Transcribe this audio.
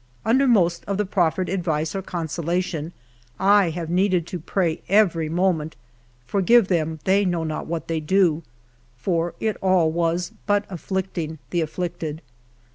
Under most of the prof fered advice or consolation I have needed to pray every moment, " Forgive them, they know not what they do," for it all was but afflicting the afflicted.